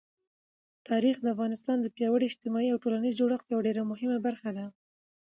تاریخ د افغانستان د پیاوړي اجتماعي او ټولنیز جوړښت یوه ډېره مهمه برخه ده.